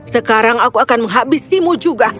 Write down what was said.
sekarang aku akan menghabisimu juga